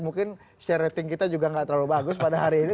mungkin share rating kita juga nggak terlalu bagus pada hari ini